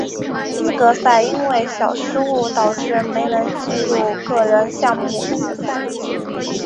资格赛因为小失误导致没能进入个人项目决赛。